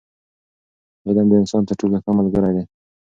علم د انسان تر ټولو ښه ملګری دی.